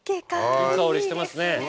いい香りしてますね。